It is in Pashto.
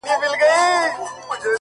چي تا به وغوښتل ما هغه دم راوړل گلونه!